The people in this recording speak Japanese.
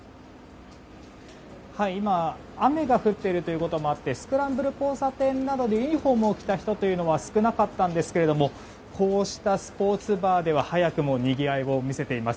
今雨が降っていることもあってスクランブル交差点などでユニホームを着た人というのは少なかったんですがこうしたスポーツバーでは早くもにぎわいを見せています。